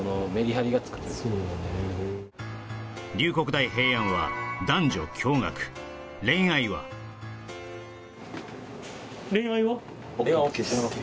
大平安は男女共学恋愛は恋愛は？